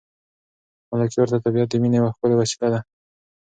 ملکیار ته طبیعت د مینې یوه ښکلې وسیله ده.